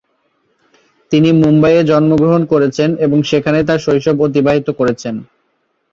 তিনি মুম্বাইয়ে জন্মগ্রহণ করেছেন এবং সেখানেই তার শৈশব অতিবাহিত করেছেন।